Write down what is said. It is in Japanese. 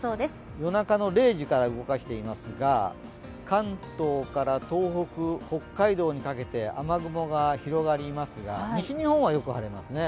夜中の０時から動かしてみますが関東から東北、北海道にかけて雨雲が広がりますが、西日本はよく晴れますね。